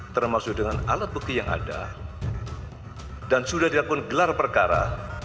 termasuk dengan alat bukti yang ada dan sudah dilakukan gelar perkara